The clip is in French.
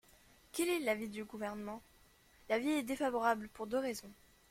Quel est l’avis du Gouvernement ? L’avis est défavorable pour deux raisons.